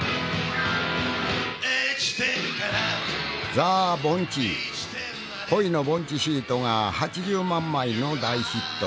ザ・ぼんち「恋のぼんちシート」が８０万枚の大ヒット。